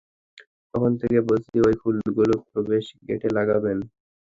কখন থেকে বলছি, এই ফুলগুলো প্রবেশগেটে লাগাবেন।